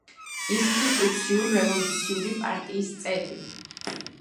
ინსტიტუციურ-რევოლუციური პარტიის წევრი.